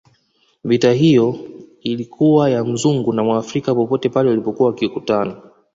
Vita iyo ilikuwa ya Mzungu na Mwafrika popote pale walipokuwa wakikutana